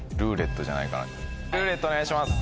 「ルーレット」お願いします。